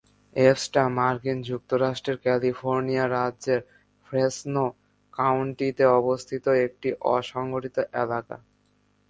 এফস্টা মার্কিন যুক্তরাষ্ট্রের ক্যালিফোর্নিয়া রাজ্যের ফ্রেসনো কাউন্টিতে অবস্থিত একটি অ-সংগঠিত এলাকা।